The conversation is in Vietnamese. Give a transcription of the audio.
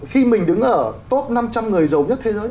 khi mình đứng ở top năm trăm linh người giàu nhất thế giới